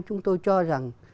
chúng tôi cho rằng